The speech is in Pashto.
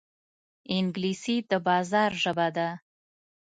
انګلیسي د بازار ژبه ده